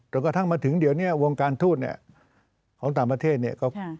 กระทั่งมาถึงเดี๋ยวนี้วงการทูตเนี่ยของต่างประเทศเนี่ย